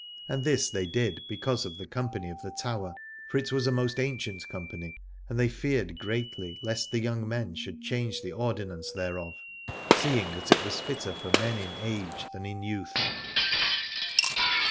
And this they did because of the company of the Tower : for it was a most ancient company, and they feared greatly lest the young men should change the ordinance thereof, seeing that it was fitter for men in age than in youth.